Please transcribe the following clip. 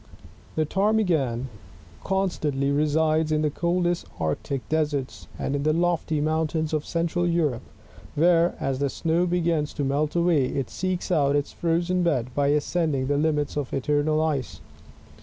[The Ptarmigan, — Tetrao lagopvs, — constantly resides in the coldest arctic deserts, and in the lofty mountains of Central Europe, where, as the snow begins to melt away, it seeks out its frozen bed, by ascending to the limits of eternal ice.